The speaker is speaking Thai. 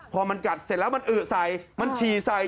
พอมันกัดเสร็จแล้วมันอึใส่มันฉี่ใส่